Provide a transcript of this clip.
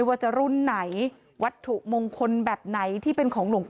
เพราะทนายอันนันชายเดชาบอกว่าจะเป็นการเอาคืนยังไง